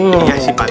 iya sih pakde